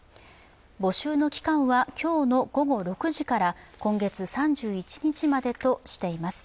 募集の期間は今日の午後６時から今月３１日までとしています。